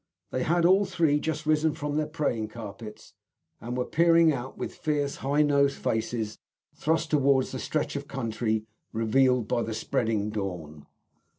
They had all three just risen from their praying carpets, and were peering out, with fierce, high nosed faces thrust forwards, at the stretch of country revealed by the spreading dawn.